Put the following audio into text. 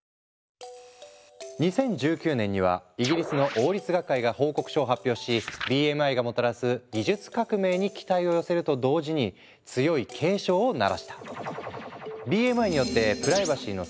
２０１９年にはイギリスの王立学会が報告書を発表しＢＭＩがもたらす技術革命に期待を寄せると同時に強い警鐘を鳴らした。